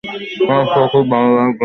Sir, সে খুব ভালো রাইডার।